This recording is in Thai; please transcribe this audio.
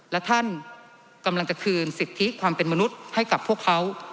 และท่านกำลังจะคืนสิทธิความเป็นมนุษย์ให้กับพวกเขา